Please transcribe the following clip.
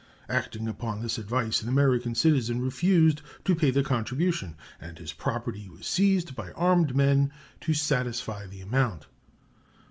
Acting upon this advice, an American citizen refused to pay the contribution, and his property was seized by armed men to satisfy the amount.